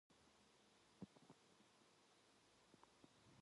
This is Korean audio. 그의 입 향기가 춘우의 코에 맡이었다.